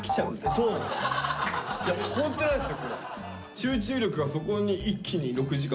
集中力がそこに一気に６時間。